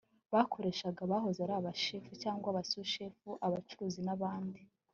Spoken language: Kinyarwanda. bakoresha abahoze ari bashefu cyangwa ba sushefu abacuruzi n’abandi